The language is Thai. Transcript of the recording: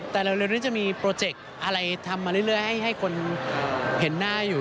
แต่เร็วนี้จะมีโปรเจกต์อะไรทำมาเรื่อยให้คนเห็นหน้าอยู่